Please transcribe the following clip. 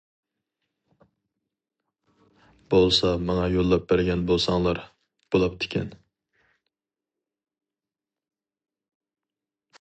بولسا ماڭا يوللاپ بەرگەن بولساڭلار بۇلاپتىكەن!